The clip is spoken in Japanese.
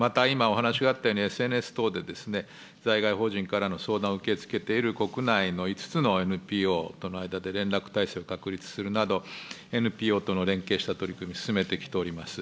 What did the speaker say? また今、お話があったように、ＳＮＳ等で、在外邦人からの相談を受け付けている国内の５つのＮＰＯとの間で連絡体制を確立するなど、ＮＰＯとの連携した取り組み、進めてきております。